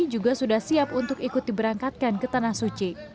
juga sudah siap untuk ikut diberangkatkan ke tanah suci